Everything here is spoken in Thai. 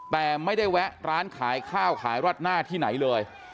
แต่ไม่ได้แวะร้านขายข้าวขายราดหน้าที่ไหนเลย